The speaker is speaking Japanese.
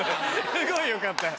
すごいよかったよ。